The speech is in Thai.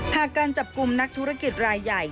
หากการจับกลุ่มนักธุรกิจรายใหญ่